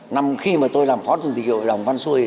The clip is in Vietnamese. năm khi mà tôi làm phó chủ tịch hội đồng văn xui